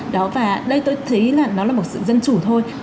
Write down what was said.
đó và đây tôi thấy là nó là một sự dân chủ thôi